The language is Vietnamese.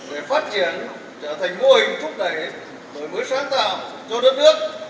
về phát triển trở thành mô hình thúc đẩy đổi mới sáng tạo cho đất nước